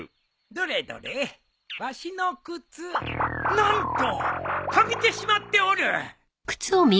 どれどれわしの靴何とかびてしまっておる。